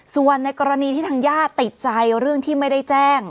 ส่วนในกรณีที่ทางญาติติดใจเรื่องที่ไม่ได้แจ้ง